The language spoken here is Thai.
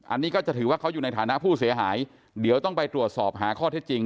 อันนี้ก็จะถือว่าเขาอยู่ในฐานะผู้เสียหายเดี๋ยวต้องไปตรวจสอบหาข้อเท็จจริง